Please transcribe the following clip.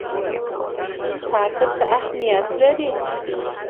تا ته څه اهمیت لري؟